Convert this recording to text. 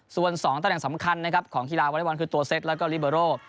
ส่วน๒ตำแหน่งสำคัญนะครับของกีฬาวอเล็กบอลคือตัวเซ็ตแล้วก็ลิเบอร์โร